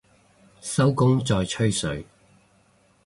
收工再吹水